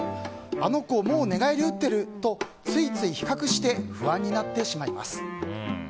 あの子、もう寝返り打っているとついつい比較して不安になってしまいます。